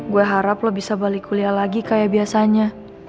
gue harap lo bisa balik kuliah lagi kayak biasanya